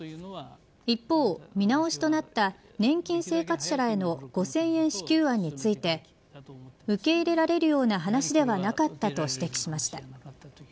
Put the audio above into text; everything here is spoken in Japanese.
一方、見直しとなった年金生活者らへの５０００円支給案について受け入れられるような話ではなかったと指摘しました。